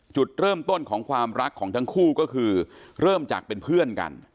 จุดเริ่มต้นของความรักของทั้งคู่ก็คือเริ่มจากเป็นเพื่อนกัน